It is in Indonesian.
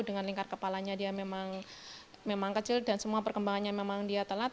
dengan lingkar kepalanya dia memang kecil dan semua perkembangannya memang dia telat